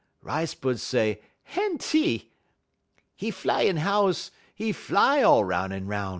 "Rice bud say, 'Enty!' "'E fly in house, 'e fly all 'roun' un 'roun'.